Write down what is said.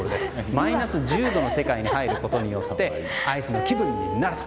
マイナス１０度の世界に入ることでアイスの気分になると。